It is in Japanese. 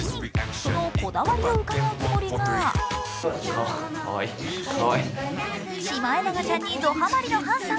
そのこだわりを伺うつもりがシマエナガちゃんにドハマリのハンさん。